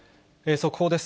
速報です。